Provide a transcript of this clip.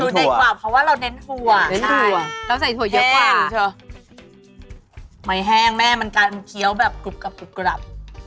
ก็กินน้ำจิ้มของเราเนี่ยสูญได้กว่าเพราะว่าเราเน้นถั่วใช่แห้งไม่แห้งแม่มันกลางเคี้ยวแบบกรุบกรับ